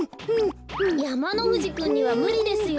やまのふじくんにはむりですよ。